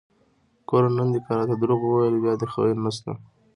ګوره نن دې که راته دروغ وويل بيا دې خير نشته!